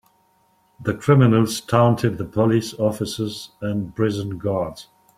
The criminals taunted the police officers and prison guards.